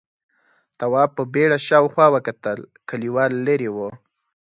تواب په بيړه شاوخوا وکتل، کليوال ليرې و: